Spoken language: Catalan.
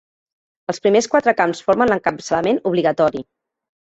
Els primers quatre camps formen l'encapçalament obligatori.